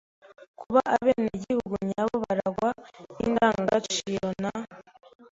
kuba abenegihugu nyabo barangwa n’indangagaciro na